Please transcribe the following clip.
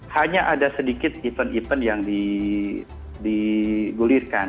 hanya ada sedikit event event yang digulirkan